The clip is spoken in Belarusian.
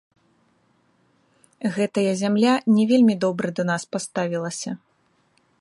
Гэтая зямля не вельмі добра да нас паставілася.